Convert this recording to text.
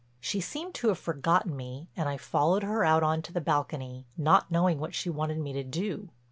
She seemed to have forgotten me and I followed her out on to the balcony, not knowing what she wanted me to do.